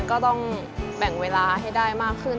ก็ต้องแบ่งเวลาให้ได้มากขึ้น